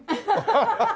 ハハハッ。